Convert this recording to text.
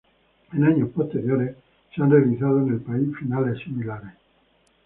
En años posteriores se han realizado en el país finales similares.